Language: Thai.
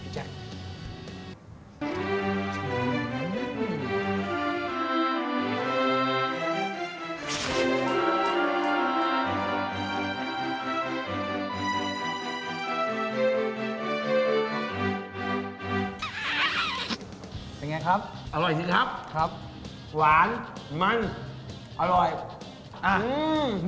เป็นไงครับอร่อยสิครับครับหวานมันอร่อยอ่ะอืม